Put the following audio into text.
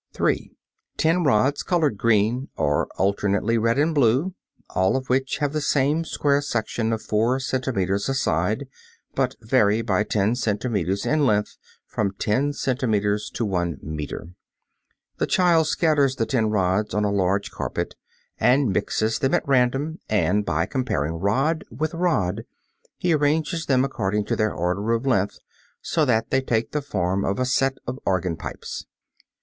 (3) Ten rods, colored green, or alternately red and blue, all of which have the same square section of four centimeters a side, but vary by ten centimeters in length from ten centimeters to one meter. (Fig. 12.) The child scatters the ten rods on a large carpet and mixes them at random, and, by comparing rod with rod, he arranges them according to their order of length, so that they take the form of a set of organ pipes.